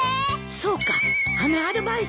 そうかあのアドバイス。